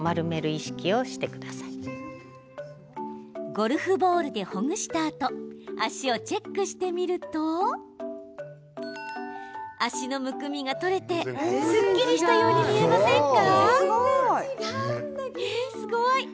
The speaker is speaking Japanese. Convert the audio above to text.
ゴルフボールでほぐしたあと足をチェックしてみると足のむくみが取れてすっきりしたように見えませんか？